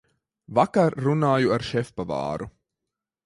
Vakar runāju ar šefpavāru.